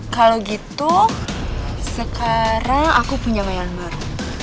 kalau gitu sekarang aku punya bayangan baru